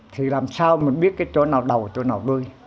thì làm sao mình biết cái chỗ nào đầu chỗ nào bơi